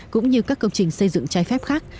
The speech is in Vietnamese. cũng như các công trình xây dựng trái phép khác